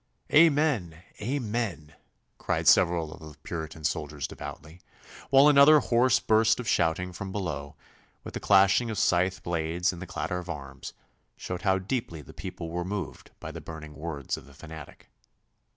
'Amen, amen!' cried several of the Puritan soldiers devoutly, while another hoarse burst of shouting from below, with the clashing of scythe blades and the clatter of arms, showed how deeply the people were moved by the burning words of the fanatic.